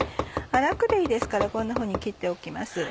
粗くでいいですからこんなふうに切っておきます。